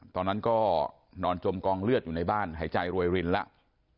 ตอนนั้นก็นอนจมกองเลือดอยู่ในบ้านหายใจรวยรินแล้ว